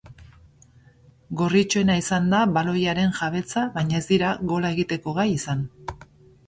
Gorritxoena izan da baloiaren jabetza, baina ez dira gola egiteko gai izan.